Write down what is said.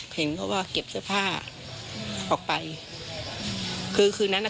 เห็นเขาว่าเก็บเสื้อผ้าออกไปคือคืนนั้นอ่ะ